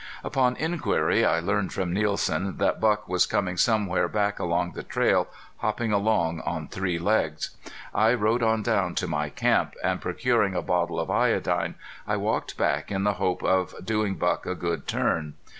Upon inquiry I learned from Nielsen that Buck was coming somewhere back along the trail hopping along on three legs. I rode on down to my camp, and procuring a bottle of iodine I walked back in the hope of doing Buck a good turn.